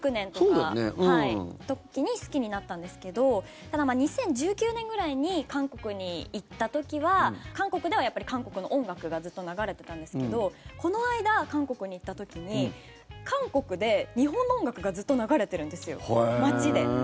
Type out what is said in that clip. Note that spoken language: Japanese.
その時に好きになったんですけどただ、２０１９年ぐらいに韓国に行った時は韓国ではやっぱり韓国の音楽がずっと流れてたんですけどこの間、韓国に行った時に韓国で日本の音楽がずっと流れてるんですよ、街で。